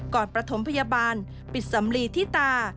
ประถมพยาบาลปิดสำลีที่ตา